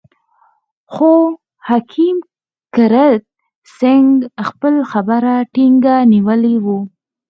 خو حکیم کرت سېنګ خپله خبره ټینګه نیولې وه.